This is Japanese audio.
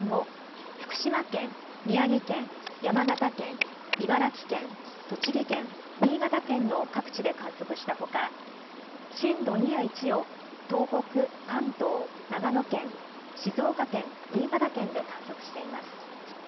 また震度３を福島県、宮城県、山形県、茨城県、栃木県、新潟県の各地で観測したほか震度２や１を東北、関東、長野県、静岡県、新潟県で観測しています。